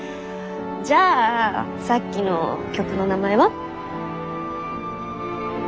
じゃあさっきの曲の名前は？